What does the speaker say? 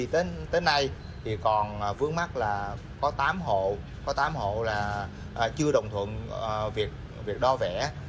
tới nay còn vướng mắt là có tám hộ chưa đồng thuận việc đo vẽ